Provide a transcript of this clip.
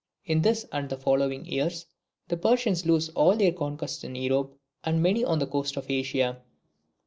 In this and the following years the Persians lose all their conquests in Europe, and many on the coast of Asia.